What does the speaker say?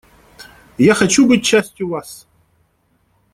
Я хочу быть частью вас.